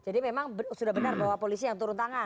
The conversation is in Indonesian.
jadi memang sudah benar bahwa polisi yang turun tangan